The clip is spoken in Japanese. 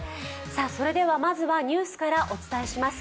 それではまずはニュースからお伝えします。